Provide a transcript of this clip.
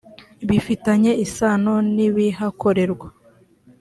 bifitanye isano n ibihakorerwa